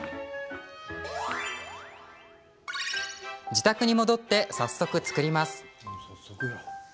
自宅に戻って、早速作ります。